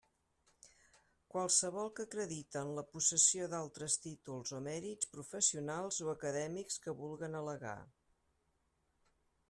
Qualssevol que acrediten la possessió d'altres títols o mèrits professionals o acadèmics que vulguen al·legar.